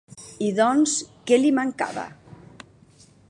I doncs, què li mancava?